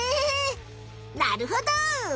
なるほど。